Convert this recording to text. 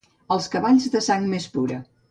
Els cavalls de sang més pura.